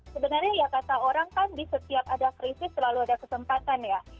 sebenarnya ya kata orang kan di setiap ada krisis selalu ada kesempatan ya